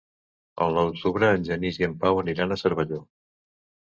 El nou d'octubre en Genís i en Pau aniran a Cervelló.